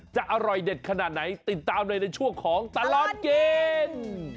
จะอร่อยเด็ดขนาดไหนติดตามเลยในช่วงของตลอดกิน